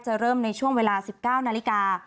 เริ่มในช่วงเวลา๑๙นาฬิกา